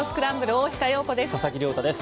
大下容子です。